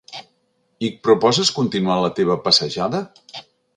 I proposes continuar la teva passejada?